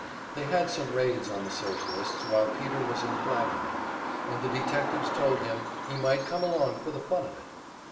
They had some raids on the Socialists while Peter was in Flagland, and the detectives told him he might come along for the fun of it.